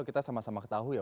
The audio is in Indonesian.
kita sama sama ketahui ya